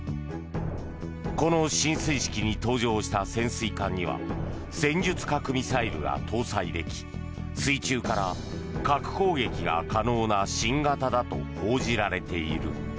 この進水式に登場した潜水艦には戦術核ミサイルが搭載でき水中から核攻撃が可能な新型だと報じられている。